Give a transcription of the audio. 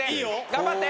頑張って。